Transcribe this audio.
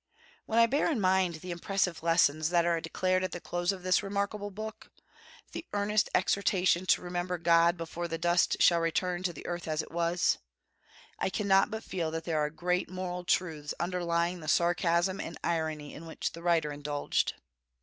When I bear in mind the impressive lessons that are declared at the close of this remarkable book, the earnest exhortation to remember God before the dust shall return to the earth as it was, I cannot but feel that there are great moral truths underlying the sarcasm and irony in which the writer indulged.